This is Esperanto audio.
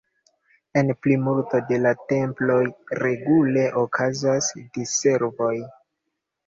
En plimulto de la temploj regule okazas diservoj.